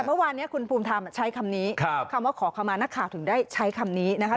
เมื่อวานนี้คุณภูมิธรรมใช้คำนี้คำว่าขอคำมานักข่าวถึงได้ใช้คำนี้นะคะ